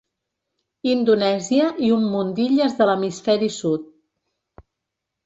Indonèsia i un munt d'illes de l'hemisferi sud.